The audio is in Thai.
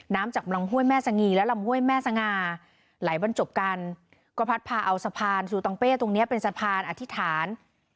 จากลำห้วยแม่สงีและลำห้วยแม่สง่าไหลบรรจบกันก็พัดพาเอาสะพานซูตองเป้ตรงเนี้ยเป็นสะพานอธิษฐาน